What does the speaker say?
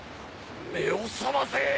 目を覚ませ！